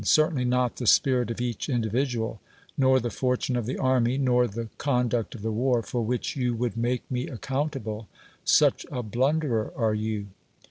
Certainly not the spirit of each indi vidual, nor the fortune of the army, nor Ihe con duct of the war, for which you would 2iiake me accountable : such a blunderer are you